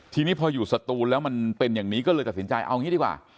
ทีนี้พออยู่สตูนแล้วมันเป็นอย่างนี้ก็เลยตัดสินใจเอางี้ดีกว่า